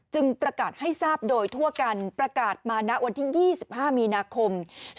ประกาศให้ทราบโดยทั่วกันประกาศมาณวันที่๒๕มีนาคม๒๕๖